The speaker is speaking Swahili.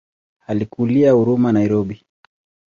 Alikulia Huruma Nairobi.